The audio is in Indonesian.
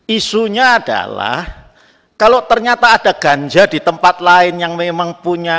isunya adalah kalau ternyata ada ganja di tempat lain yang memang punya